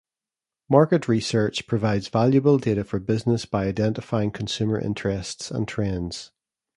Market Research provides valuable data for business by identifying consumer interests and trends.